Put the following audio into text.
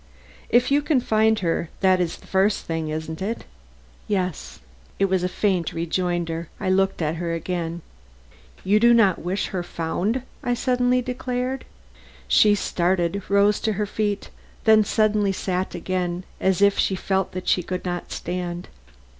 "If you can find her that is the first thing, isn't it?" "Yes." It was a faint rejoinder. I looked at her again. "You do not wish her found," I suddenly declared. She started, rose to her feet, then suddenly sat again as if she felt that she could not stand.